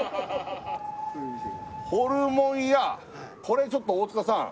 ホルモンやこれちょっと大塚さん